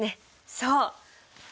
そう！